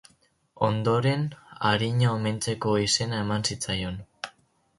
Ondoren Arina omentzeko izena eman zitzaion.